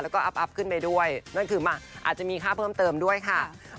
แล้วก็อัพขึ้นไปด้วยนั่นคือมาอาจจะมีค่าเพิ่มเติมด้วยค่ะ